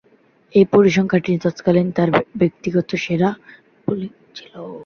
ঐ পরিসংখ্যানটি তৎকালীন তার ব্যক্তিগত সেরা বোলিং ছিল।